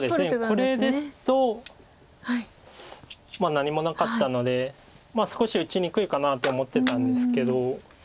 これですと何もなかったので少し打ちにくいかなと思ってたんですけど。